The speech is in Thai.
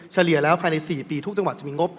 เฉลี่ยแล้วภายใน๔ปีทุกจังหวัดจะมีงบ